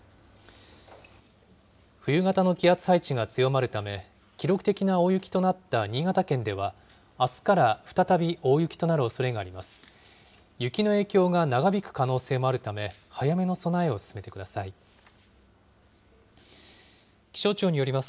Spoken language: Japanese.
冬型の気圧配置が強まるため、記録的な大雪となった新潟県ではあすから再び大雪となるおそれがあります。